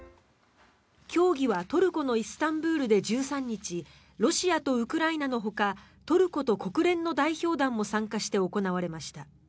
協議はトルコのイスタンブールで１３日ロシアとウクライナのほかトルコと国連の代表団も参加して行われました。